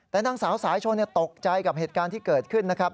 แต่นางสาวสายชนตกใจกับเหตุการณ์ที่เกิดขึ้นนะครับ